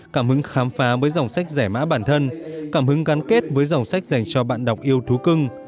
cảm hứng khám phá với dòng sách rẻ mã bản thân cảm hứng gắn kết với dòng sách dành cho bạn đọc yêu thú cưng